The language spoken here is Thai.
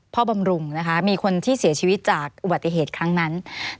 พ่อบำรุงนะคะมีคนที่เสียชีวิตจากวัตเทศครั้งนั้น